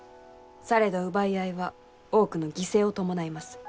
されど奪い合いは多くの犠牲を伴います。